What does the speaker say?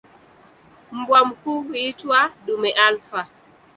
Mbwa mkuu huitwa "dume alfa".